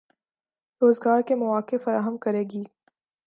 روزگار کے مواقع فراہم کرے گی